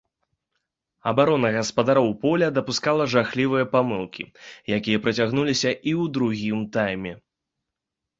Абарона гаспадароў поля дапускала жахлівыя памылкі, якія працягнуліся і ў другім тайме.